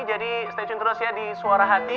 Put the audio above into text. jadi stay tune terus ya di suara hati